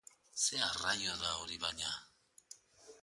Zer arraio da hori, baina?